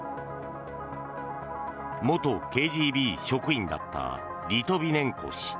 元ＫＧＢ職員だったリトビネンコ氏。